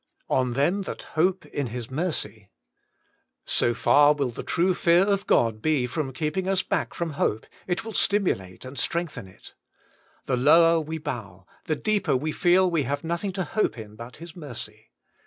* *0n them that hope in His mercy/ So far will the true fear of God be from keeping us back from hope, it will stimulate and strengthen it The lower we bow, the deeper we feel we have nothing to hope in but His mercy.